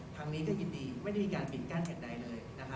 ทางนี้ก็ยินดีไม่ได้มีการปิดกั้นเหตุใดเลย